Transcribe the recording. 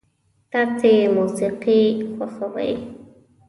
تاسو موسیقي خوښوئ؟